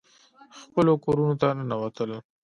خپلو کورونو ته ننوتل.